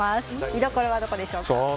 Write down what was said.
見どころはどこでしょうか。